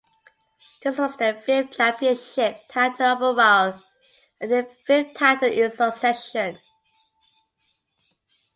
This was their fifth championship title overall and their fifth title in succession.